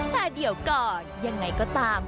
แต่เดี๋ยวก่อนยังไงก็ตาม